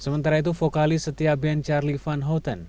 sementara itu vokalis setia band charlie van houten